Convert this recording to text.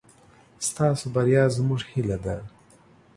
ستاسو بريا زموږ هيله ده.